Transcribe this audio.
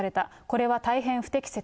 これは大変不適切。